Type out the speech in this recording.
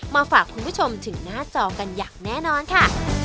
มาฝากคุณผู้ชมถึงหน้าจอกันอย่างแน่นอนค่ะ